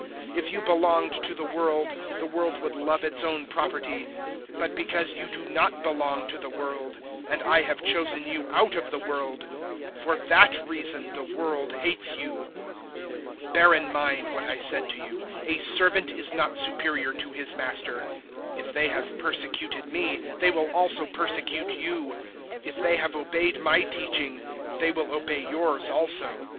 015:019 If you belonged to the world, the world would love its own property. But because you do not belong to the world, and I have chosen you out of the world for that reason the world hates you. 015:020 Bear in mind what I said to you, `A servant is not superior to his master.' If they have persecuted me, they will also persecute you: if they have obeyed my teaching, they will obey yours also.